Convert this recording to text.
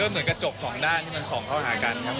เหมือนกระจกสองด้านที่มันขอ้าง